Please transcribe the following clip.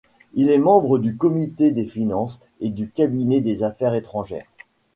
Il est membre du comité des finances et du cabinet des affaires étrangères.